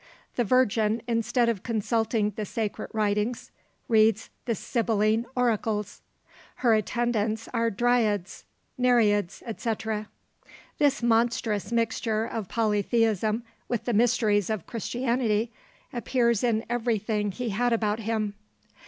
The Virgin, instead of consulting the sacred writings, reads the Sibylline oracles! Her attendants are dryads, nereids, &c. This monstrous mixture of polytheism with the mysteries of Christianity, appears in everything he had about him.